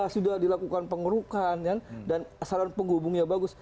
sudah dilakukan pengurukan dan saluran penghubungnya bagus